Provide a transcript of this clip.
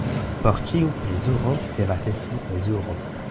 Por ĉiu plezuro devas esti mezuro.